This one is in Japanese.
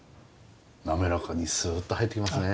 滑らかにスーッと入ってきますね。